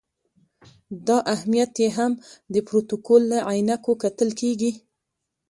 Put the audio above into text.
دا اهمیت یې هم د پروتوکول له عینکو کتل کېږي.